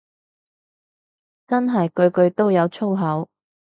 真係句句都有粗口